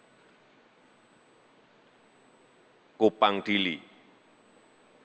dan juga peningkatan konektivitas darat antara lain melalui peluncuran perdana trayek rute